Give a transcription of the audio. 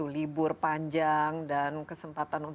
libur panjang dan kesempatan